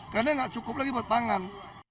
karena nggak cukup lagi buat pangan